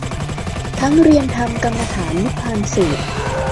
ทั้งเรียนธรรมกรรมฐานนิพพานสูตร